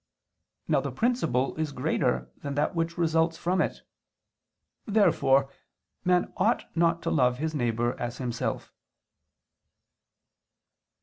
Now the principle is greater than that which results from it. Therefore man ought not to love his neighbor as himself.